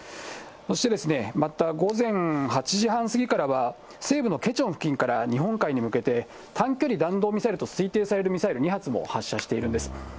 そしてまた、午前８時半過ぎからは、西部のケチョン付近から日本海に向けて、短距離弾道ミサイルと推定されるミサイル２発も発射しているんです。